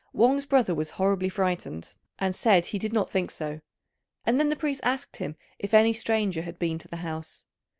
Wang's brother was horribly frightened and said he did not think so; and then the priest asked him if any stranger had been to the house.